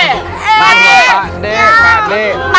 gimana dia yang takutnya